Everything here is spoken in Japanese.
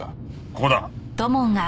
ここだ。